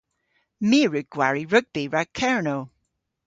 My a wrug gwari rugbi rag Kernow.